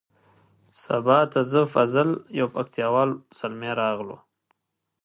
سبا ته زه فضل یو پکتیا وال زلمی راغلو.